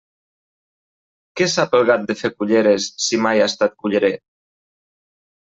Què sap el gat de fer culleres, si mai ha estat cullerer?